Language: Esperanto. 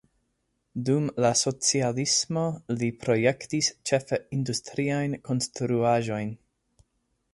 Dum la socialismo li projektis ĉefe industriajn konstruaĵojn.